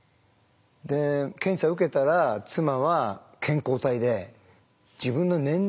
で検査受けたら妻は健康体で自分の年齢よりも若いと。